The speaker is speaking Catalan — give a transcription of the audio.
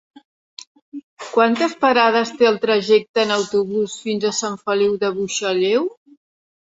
Quantes parades té el trajecte en autobús fins a Sant Feliu de Buixalleu?